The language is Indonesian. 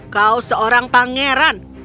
kau seorang pangeran